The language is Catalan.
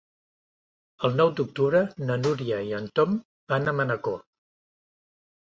El nou d'octubre na Núria i en Tom van a Manacor.